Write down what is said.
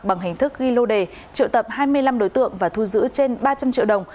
bằng hình thức ghi lô đề triệu tập hai mươi năm đối tượng và thu giữ trên ba trăm linh triệu đồng